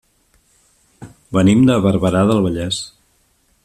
Venim de Barberà del Vallès.